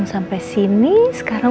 gak salah sekarang